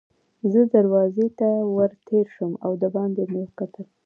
زه دروازې ته ور تېر شوم او دباندې مې وکتل.